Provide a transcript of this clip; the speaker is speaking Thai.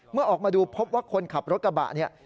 เมื่อออกมาดูพบว่าคนขับรถกระบะเนี่ย